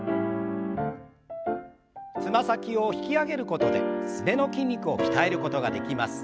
つま先を引き上げることですねの筋肉を鍛えることができます。